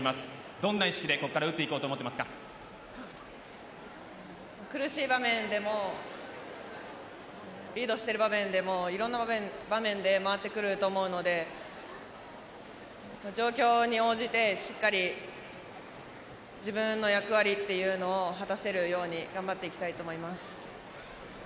どんな意識でここから打っていこうと苦しい場面でもリードしている場面でもいろんな場面で回ってくると思うので状況に応じてしっかり自分の役割というのを果たせるように頑張っていきたいと思います。